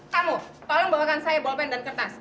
kamu tolong bawakan saya ball pen dan kertas